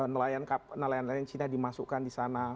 nelayan nelayan cina dimasukkan di sana